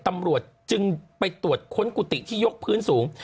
ตำรวจจึงไปตรวจค้นกุฏิที่ยกพื้นสูง